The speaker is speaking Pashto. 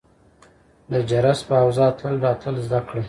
د جرس په اوزا تلل او راتلل زده کړه.